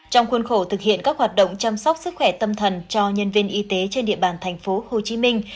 trong khuôn khổ thực hiện các hoạt động chăm sóc sức khỏe tâm thần cho nhân viên y tế trên địa bàn thành phố hồ chí minh